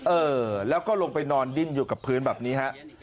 เออแล้วก็ลงไปนอนดิ้นอยู่กับพื้นแบบนี้ฮะ